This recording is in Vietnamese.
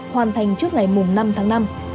hoàn thành trước ngày năm tháng năm